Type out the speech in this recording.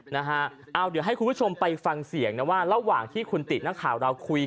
มันแปลว่าอะไรครับผม